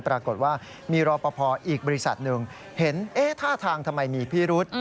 ปรากฏว่ามีรอปภอีกบริษัทหนึ่งเห็นท่าทางทำไมมีพิรุษ